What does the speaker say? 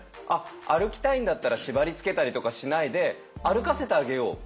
歩きたいんだったら縛りつけたりとかしないで歩かせてあげよう。